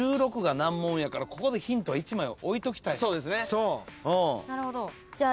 １６が難問やからここでヒントは１枚置いときたい。